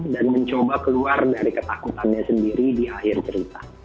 dan mencoba keluar dari ketakutannya sendiri di akhir cerita